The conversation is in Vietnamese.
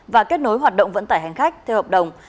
và kết nối hoạt động vận tải hành khách theo hợp đồng